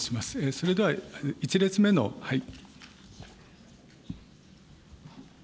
それでは１列目の、はい。